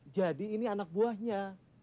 jadi ini anak buahnya